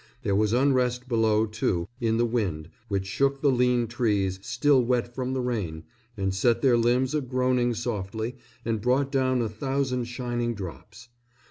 There was unrest below, too, in the wind, which shook the lean trees, still wet from the rain, and set their limbs a groaning softly and brought down a thousand shining drops.